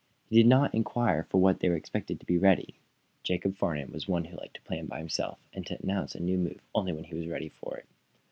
He did not inquire for what they were expected to be ready. Jacob Farnum was one who liked to plan by himself, and to announce a new move only when he was ready for it.